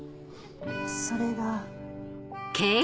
それが。